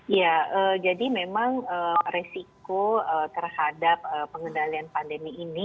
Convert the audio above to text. ya jadi memang resiko terhadap pengendalian pandemi ini